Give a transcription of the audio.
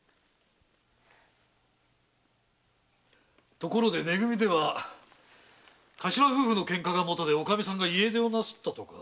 ところでめ組では頭夫婦のケンカが元でおかみさんが家出をなすったとか。